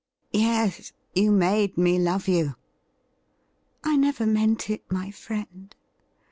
' Yes, you made me love you.' ' I never meant it, my friend.